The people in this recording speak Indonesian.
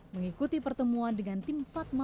mengikuti pertemuan dengan tim fatma